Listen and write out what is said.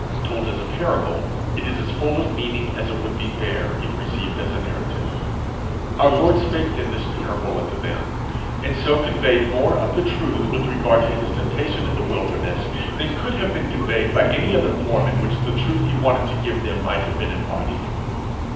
Told as a parable, it is as full of meaning as it would be bare if received as a narrative. Our Lord spake then this parable unto them, and so conveyed more of the truth with regard to his temptation in the wilderness, than could have been conveyed by any other form in which the truth he wanted to give them might have been embodied.